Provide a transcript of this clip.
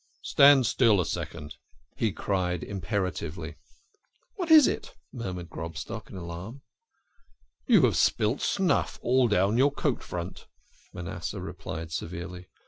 " Stand still a second," he cried imperatively. THE KING OF SCHNORRERS. 25 " What is it? " murmured Grobstock, in alarm. " You have spilt snuff all down your coat front," Manasseh replied severely.